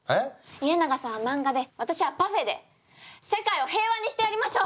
家長さんは漫画で私はパフェで世界を平和にしてやりましょう！